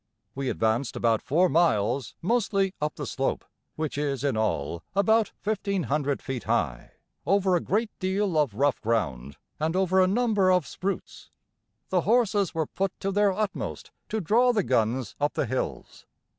We advanced about four miles mostly up the slope, which is in all about 1500 feet high, over a great deal of rough ground and over a number of spruits. The horses were put to their utmost to draw the guns up the hills.